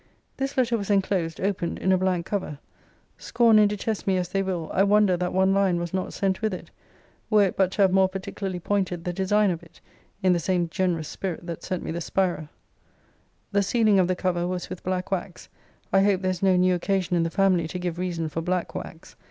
This letter was enclosed (opened) in a blank cover. Scorn and detest me as they will, I wonder that one line was not sent with it were it but to have more particularly pointed the design of it, in the same generous spirit that sent me the spira. The sealing of the cover was with black wax. I hope there is no new occasion in the family to give reason for black wax.